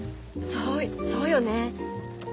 そうそうよね。